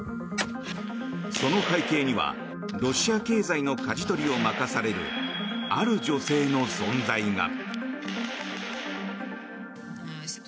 その背景にはロシア経済のかじ取りを任されるある女性の存在が。